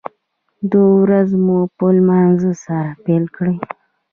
ورځ مو په لمانځه سره پیل کړئ